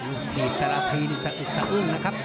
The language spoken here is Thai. อุ้ยผีบแต่ละทีอุ้งนะครับ